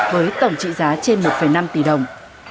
với tổng trị giá trên một năm tỷ đồng